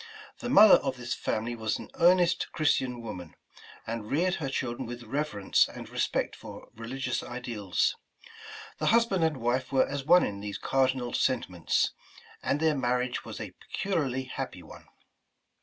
The mother of this family was an earnest Chris tian woman, and reared her children with reverence and respect for religious ideals. The husband and wife were as one in these cardinal sentiments, and their marriage was a peculiarly happy one.